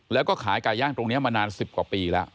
แล้วก็ขายไก่ย่างตรงนี้มานาน๑๐กว่าปีแล้ว